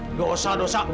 nggak usah dosa